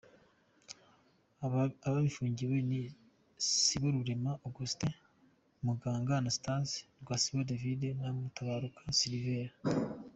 Ababifungiwe ni Siborurema Augustin, Muganga Anastase , Rwasibo David na Mutabaruka Sylvere.